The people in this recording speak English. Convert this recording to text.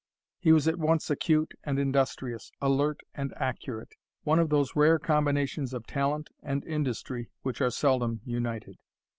He was at once acute and industrious, alert and accurate; one of those rare combinations of talent and industry, which are seldom united.